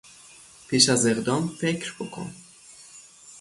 پیش از اقدام فکر بکن!